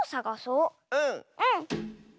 うん！